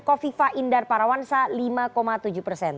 kofifa indar parawansa lima tujuh persen